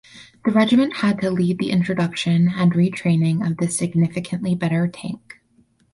The regiment had to lead the introduction and retraining of this significantly better tank.